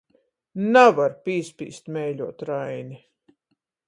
Navar pīspīst meiļuot Raini.